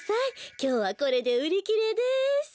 きょうはこれでうりきれです！